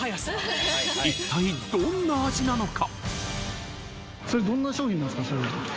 一体どんな味なのか？